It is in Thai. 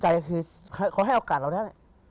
ใจคือเขาให้โอกาสเราได้